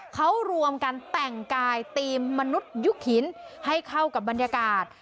เขารวมกันแต่งกายทีมมนุษยุคหินให้เข้ากับบรรยากาศ